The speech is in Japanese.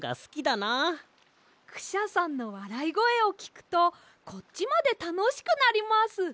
クシャさんのわらいごえをきくとこっちまでたのしくなります。